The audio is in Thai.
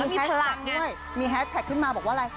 แฮชแท็กด้วยมีแฮสแท็กขึ้นมาบอกว่าอะไร